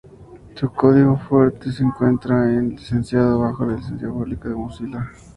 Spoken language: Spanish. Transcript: Su código fuente se encuentra licenciado bajo la Licencia Pública de Mozilla.